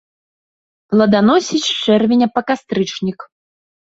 Плоданасіць з чэрвеня па кастрычнік.